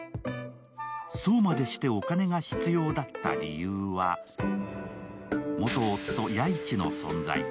そうまでしてお金が必要だった理由は元夫・弥一の存在。